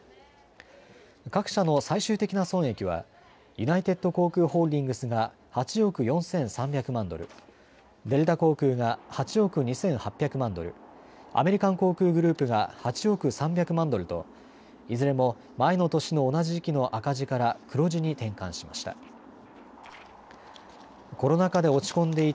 各社の最終的な損益はユナイテッド航空ホールディングスが８億４３００万ドル、デルタ航空が８億２８００万ドル、アメリカン航空グループが８億３００万ドルといずれも前の年の同じ時期の赤字から黒字に転換しました。